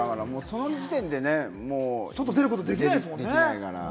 その時点で外出ることができないから。